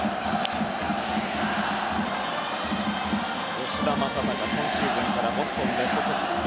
吉田正尚、今シーズンからボストン・レッドソックス。